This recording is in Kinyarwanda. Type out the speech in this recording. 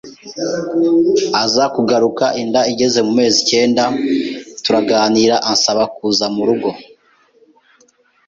Aza kugaruka inda igeze mu mezi icyenda turaganira ansaba kuza mu rugo